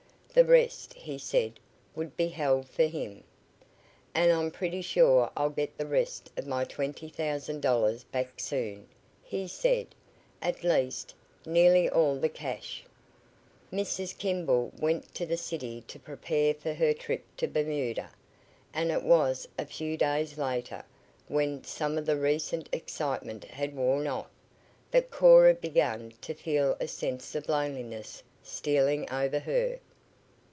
The rest, he said, would be held for him. "And I'm pretty sure I'll get the rest of my twenty thousand dollars back soon," he said. "At least, nearly all the cash." Mrs. Kimball went to the city to prepare for her trip to Bermuda, and it was a few days later, when some of the recent excitement had worn off, that Cora began to feel a sense of loneliness stealing over her.